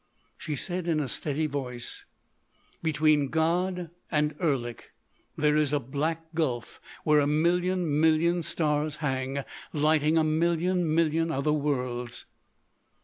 She said in a steady voice: "Between God and Erlik there is a black gulf where a million million stars hang, lighting a million million other worlds.